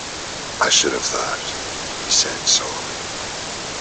"I should have thought," he said solemnly.